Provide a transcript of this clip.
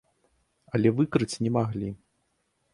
Але выкрыць не маглі.